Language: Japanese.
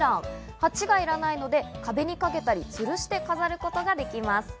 鉢がいらないので壁にかけたり吊るして飾ることができます。